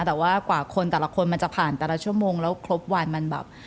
แต่ว่ากว่าคนแต่ละคนมันจะผ่านแต่ละชั่วโมงแล้วครบวันมันแบบ